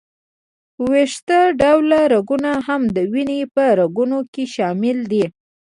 د وېښته ډوله رګونه هم د وینې په رګونو کې شامل دي.